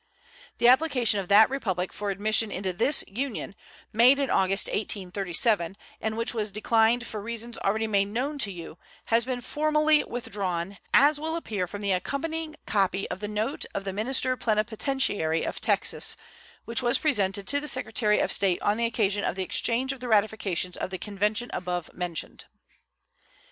The application of that Republic for admission into this Union, made in August, 1837, and which was declined for reasons already made known to you, has been formally withdrawn, as will appear from the accompanying copy of the note of the minister plenipotentiary of Texas, which was presented to the Secretary of State on the occasion of the exchange of the ratifications of the convention above mentioned.